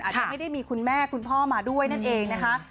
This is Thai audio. อาจจะไม่ได้มีคุณแม่คุณพ่อมาด้วยนั่นเองนะคะ